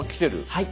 はい。